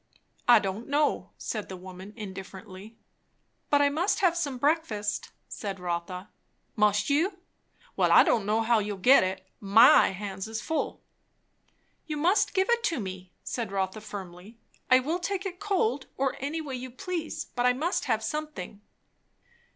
"I don' know," said the woman indifferently. "But I must have some breakfast," said Rotha. "Must you? Well, I don' know how you'll get it. My hands is full." "You must give it to me," said Rotha firmly. "I will take it cold, or any way you please; but I must have something."